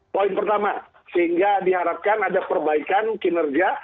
poin pertama sehingga diharapkan ada perbaikan kinerja